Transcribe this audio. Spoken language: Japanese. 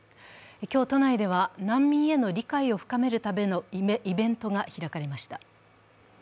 今日、都内では難民への理解を深めるためのイベントが開かれました。